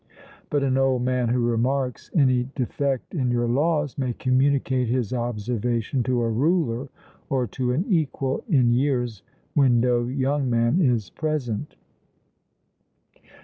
But an old man who remarks any defect in your laws may communicate his observation to a ruler or to an equal in years when no young man is present.